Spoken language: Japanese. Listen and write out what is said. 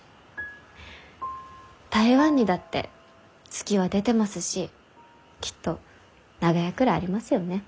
台湾にだって月は出てますしきっと長屋くらいありますよね？